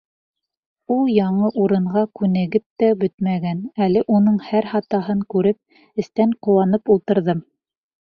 Ул яңы урынға күнегеп тә бөтмәгән, әле уның һәр хатаһын күреп, эстән ҡыуанып ултырҙым.